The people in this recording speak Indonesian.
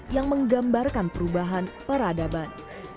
yang menggambarkan perubahan peradaban